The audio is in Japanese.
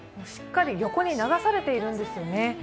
しっかり横に流されているんですよね。